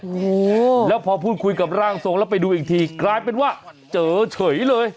โอ้โหแล้วพอพูดคุยกับร่างทรงแล้วไปดูอีกทีกลายเป็นว่าเจอเฉยเลย